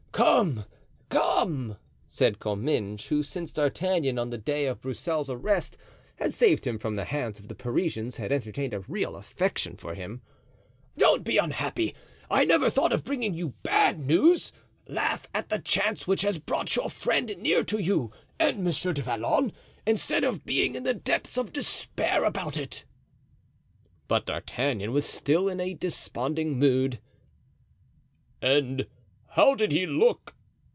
"Come, come," said Comminges, who, since D'Artagnan, on the day of Broussel's arrest, had saved him from the hands of the Parisians, had entertained a real affection for him, "don't be unhappy; I never thought of bringing you bad news. Laugh at the chance which has brought your friend near to you and Monsieur du Vallon, instead of being in the depths of despair about it." But D'Artagnan was still in a desponding mood. "And how did he look?"